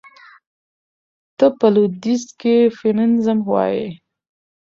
ته په لوىديځ کې فيمينزم وايي.